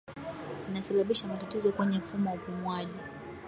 inasababisha matatizo kwenye mfumo wa upumuaji